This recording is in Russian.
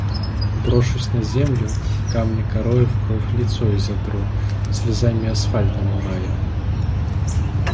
Брошусь на землю, камня корою в кровь лицо изотру, слезами асфальт омывая.